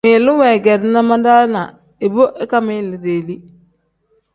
Ngmiilu weegeerina madaana ibo ikangmiili deeli.